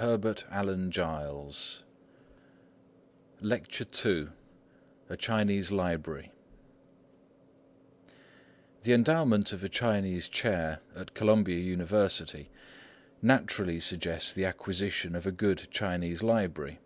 LECTURE II A CHINESE LIBRARY A CHINESE LIBRARY The endowment of a Chinese chair at Columbia University naturally suggests the acquisition of a good Chinese library.